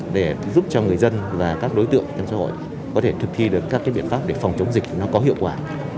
để giúp cho người dân và các đối tượng trong xã hội có thể thực thi được các biện pháp để phòng chống dịch nó có hiệu quả